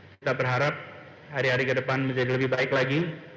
kita berharap hari hari ke depan menjadi lebih baik lagi